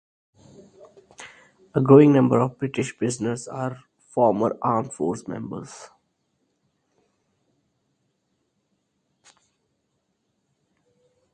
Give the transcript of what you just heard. A growing number of British prisoners are former armed forces members.